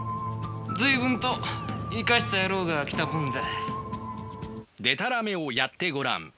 随分といかした野郎が来たもんだ。